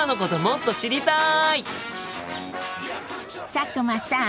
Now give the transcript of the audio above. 佐久間さん。